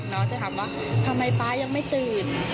น้องจะถามว่าทำไมพ่อยังไม่ตื่น